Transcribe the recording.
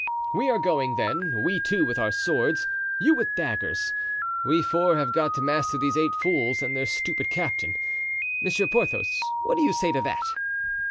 "We are going, then, we two with our swords, you with daggers. We four have got to master these eight fools and their stupid captain. Monsieur Porthos, what do you say to that?"